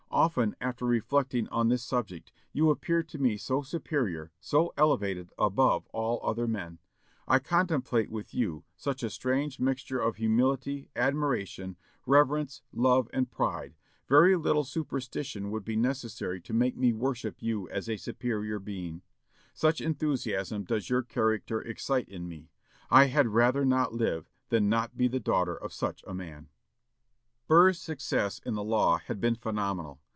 Often, after reflecting on this subject, you appear to me so superior, so elevated above all other men; I contemplate you with, such a strange mixture of humility, admiration, reverence, love, and pride, very little superstition would be necessary to make me worship you as a superior being; such enthusiasm does your character excite in me.... I had rather not live than not be the daughter of such a man." Burr's success in the law had been phenomenal.